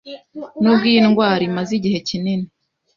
Nubwo iyi ndwara imaze igihe kinini